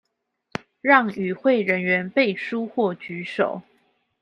讓與會人員背書或舉手